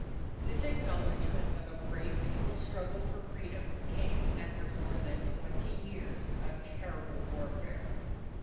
This acknowledgment of a brave People's struggle for freedom, came after more than twenty years of terrible warfare.